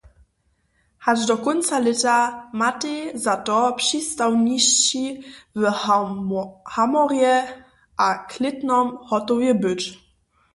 Hač do kónca lěta matej za to přistawnišći w Hamorje a Klětnom hotowej być.